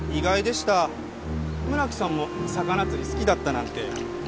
村木さんも魚釣り好きだったなんて。